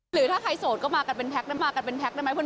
หรือถ้าใครโสดก็มากันเป็นแพ็คได้ไหม